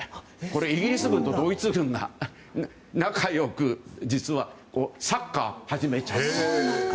イギリス軍とドイツ軍が仲良く実はサッカーを始めちゃいました。